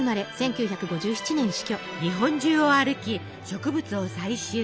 日本中を歩き植物を採集。